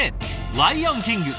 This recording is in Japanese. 「ライオンキング」。